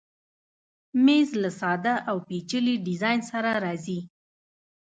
مېز له ساده او پیچلي ډیزاین سره راځي.